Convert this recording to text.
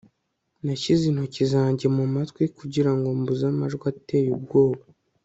nashyize intoki zanjye mumatwi kugirango mbuze amajwi ateye ubwoba